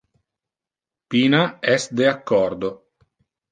Pina es de accordo.